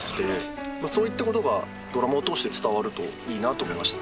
そういったことがドラマを通して伝わるといいなと思いました。